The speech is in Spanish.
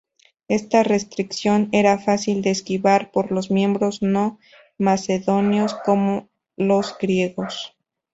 Esta restricción era fácil de esquivar por los miembros no macedonios, como los griegos.